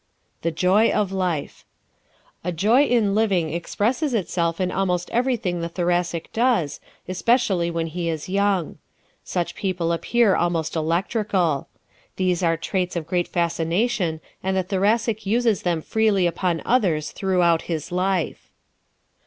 The Joy of Life ¶ A joy in living expresses itself in almost everything the Thoracic does, especially when he is young. Such people appear almost electrical. These are traits of great fascination and the Thoracic uses them freely upon others throughout his life.